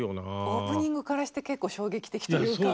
オープニングからして結構衝撃的というか。